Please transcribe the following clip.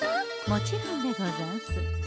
もちろんでござんす。